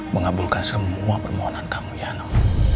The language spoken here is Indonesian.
mengabulkan semua permohonan kamu ya allah